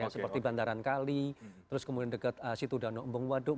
seperti bandaran kali terus kemudian dekat situ dano umbung waduk